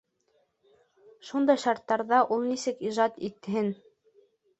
Шундай шарттарҙа ул нисек ижад итһен?